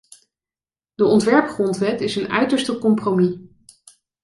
De ontwerp-Grondwet is een uiterste compromis.